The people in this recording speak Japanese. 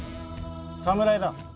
侍だ。